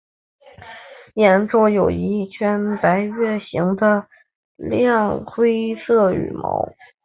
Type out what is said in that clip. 眼周有一圈半月形的亮灰色羽毛。